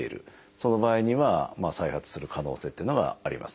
その場合には再発する可能性というのがありますね。